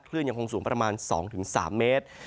ยังคงสูงประมาณ๒๓เมตร